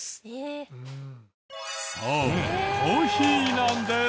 そうコーヒーなんです！